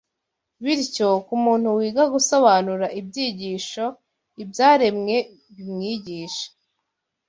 Bityo, ku muntu wiga gusobanura ibyigisho ibyaremwe bimwigisha